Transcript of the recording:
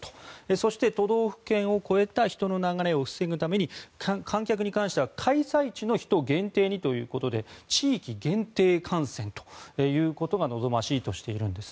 そして都道府県を越えた人の流れを防ぐために観客に関しては開催地の人を限定にということで地域限定観戦が望ましいとしています。